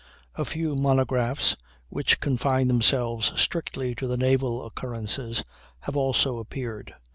A few monographs, which confine themselves strictly to the naval occurrences, have also appeared.